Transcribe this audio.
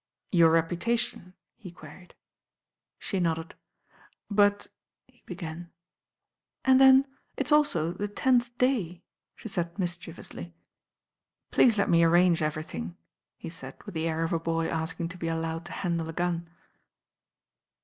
"Your reputation," he queried. She nodded. "But " he began. "And then =t's also the tenth day," she said mis chievously. "Please let the arrange everything," he said with the air of a boy asking to be allowed to handle a gun.